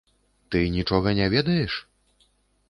Ты нічога не ведаеш?